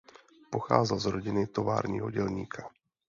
Pocházel z rodiny továrního dělníka.